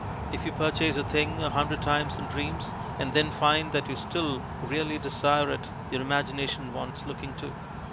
If you purchase a thing a hundred times in dreams and then find that you still really desire it your imagina tion wants looking to.